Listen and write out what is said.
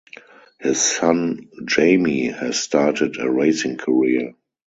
His son Jamie has started a racing career.